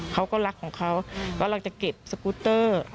เค้าก็รักของเค้าแล้วหลังจากเก็บสกุตเตอร์